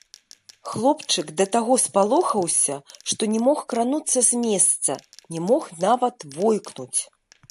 Хлопчык да таго спалохаўся, што не мог крануцца з месца, не мог нават войкнуць.